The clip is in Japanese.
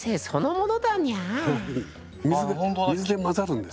水で混ざるんですよ。